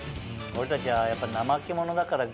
俺たちはやっぱ怠け者だから。